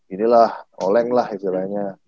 inilah oleng lah istilahnya